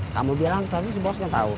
kamu bilang tadi si bos yang tau